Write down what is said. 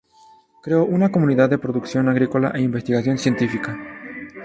Creó una comunidad de producción agrícola e investigación científica.